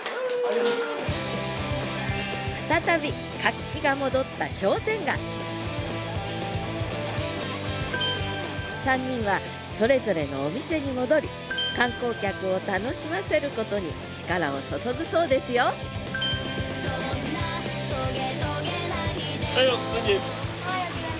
再び活気が戻った商店街３人はそれぞれのお店に戻り観光客を楽しませることに力を注ぐそうですよはいよざんぎ。